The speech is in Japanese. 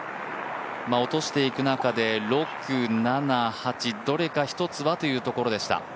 落としていく中で、６、７、８どれか一つはというところでした